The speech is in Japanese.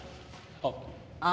あっ。